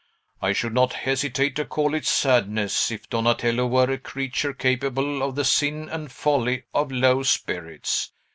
I should not hesitate to call it sadness, if Donatello were a creature capable of the sin and folly of low spirits.